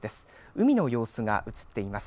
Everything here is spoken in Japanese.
海の様子が映っています。